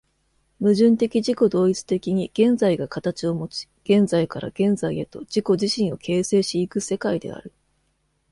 矛盾的自己同一的に現在が形をもち、現在から現在へと自己自身を形成し行く世界である。